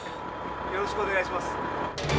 よろしくお願いします。